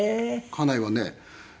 家内はね。